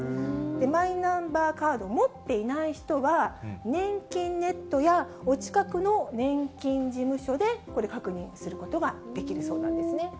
マイナンバーカードを持っていない人は、ねんきんネットやお近くの年金事務所でこれ、確認をすることができるそうなんですね。